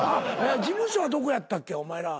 事務所はどこやったっけお前ら。